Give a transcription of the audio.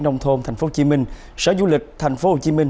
nông thôn tp hcm sở du lịch tp hcm